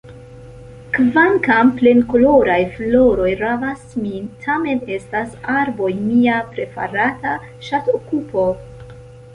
Kvankam plenkoloraj floroj ravas min, tamen estas arboj mia preferata ŝatokupo.